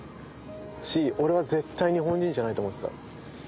俺は絶対日本人じゃないと思ってた。